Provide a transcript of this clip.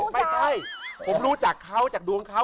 ไม่ใช่ผมรู้จักเขาจากดวงเขา